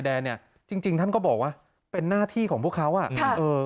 เนี่ยจริงจริงท่านก็บอกว่าเป็นหน้าที่ของพวกเขาอ่ะค่ะเออ